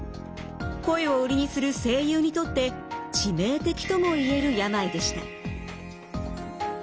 声を売りにする声優にとって致命的ともいえる病でした。